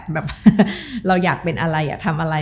แบบเราอยากเป็นอะไรอยากทำอะไร